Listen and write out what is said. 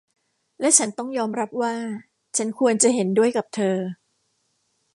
และฉันต้องยอมรับว่า ฉันควรจะเห็นด้วยกับเธอ